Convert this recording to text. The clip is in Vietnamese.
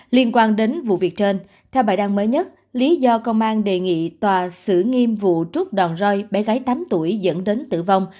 liên quan đến vụ việc trên theo bài đăng mới nhất lý do công an đề nghị tòa xử nghiêm vụ rút đòn roi bé gái tám tuổi dẫn đến tử vong